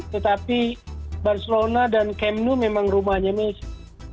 tetapi barcelona dan kemnu memang rumahnya messi